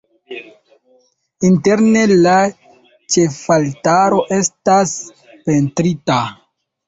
Interne la ĉefaltaro estas pentrita.